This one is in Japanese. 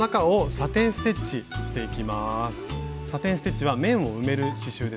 サテン・ステッチは面を埋める刺しゅうですね。